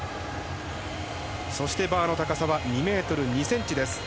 そしてバーの高さは２ｍ２ｃｍ。